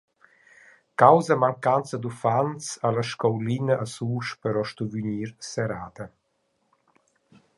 Causa mancanza d’uffants ha la scoulina a Susch però stuvü gnir serrada.